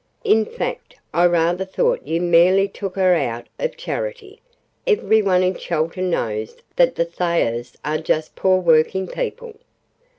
In fact, I rather thought you merely took her up out of charity. Every one in Chelton knows that the Thayers are just poor working people."